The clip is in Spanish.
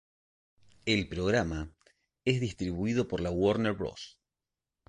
El programa es distribuido por la Warner Bros.